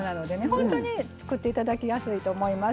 ほんとに作って頂きやすいと思います。